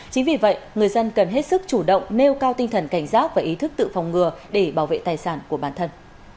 chính vì vậy người dân cần hết sức chủ động nêu cao tinh thần cảnh giác và ý thức tự phòng ngừa để bảo vệ tài sản của bản thân